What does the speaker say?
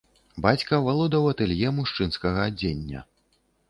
Бацька валодаў атэлье мужчынскага адзення.